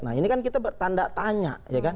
nah ini kan kita bertanda tanya